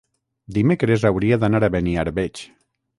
Dimecres hauria d'anar a Beniarbeig.